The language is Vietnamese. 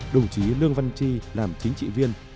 đồng chí lương văn tri làm chính trị viên